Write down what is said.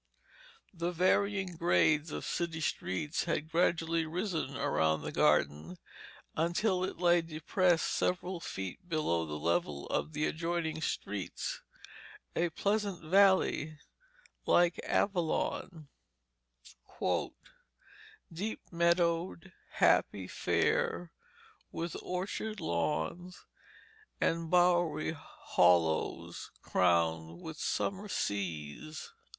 The varying grades of city streets had gradually risen around the garden until it lay depressed several feet below the level of the adjoining streets, a pleasant valley, like Avalon, "Deep meadowed, happy, fair, with orchard lawns, And bowery hollows crown'd with summer seas."